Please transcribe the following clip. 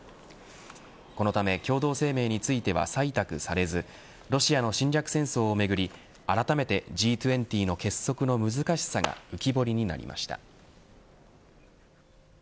このため共同声明については採択されずロシアの侵略戦争をめぐりあらためてＧ２０の結束の難しさが浮き彫りになりました。